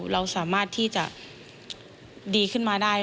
เราสามารถที่จะดีขึ้นมาได้